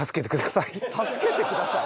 「助けてください」？